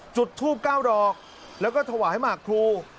จุดทูบ๙ดอกแล้วก็ถวายหมากครู